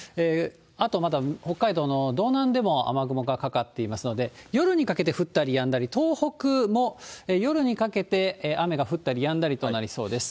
あとまだ北海道の道南でも雨雲がかかっていますので、夜にかけて降ったりやんだり、東北も夜にかけて、雨が降ったりやんだりとなりそうです。